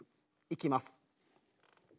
いきます。